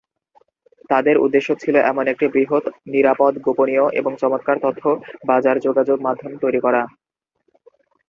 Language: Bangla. তাদের উদ্দেশ্য ছিল এমন একটি বৃহৎ নিরাপদ, গোপনীয় এবং চমৎকার তথ্য বাজার যোগাযোগ মাধ্যম তৈরি করা।